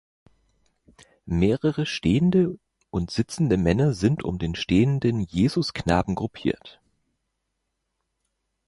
Mehrere stehende und sitzende Männer sind um den stehenden Jesusknaben gruppiert.